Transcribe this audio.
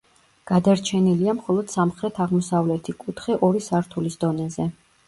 გადარჩენილია მხოლოდ სამხრეთ-აღმოსავლეთი კუთხე ორი სართულის დონეზე.